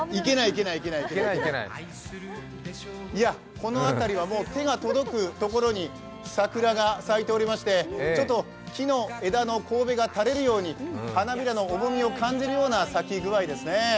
この辺りは手が届くところに桜が咲いておりまして、ちょっと木の枝のこうべが垂れるように花びらの重みを感じるような咲きぐあいですね。